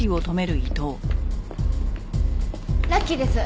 ラッキーです。